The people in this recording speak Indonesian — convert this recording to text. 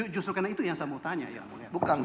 justru karena itu yang saya mau tanya